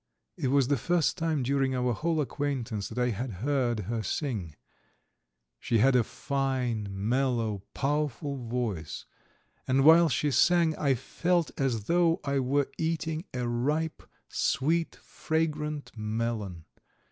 It was the first time during our whole acquaintance that I had heard her sing. She had a fine, mellow, powerful voice, and while she sang I felt as though I were eating a ripe, sweet, fragrant melon.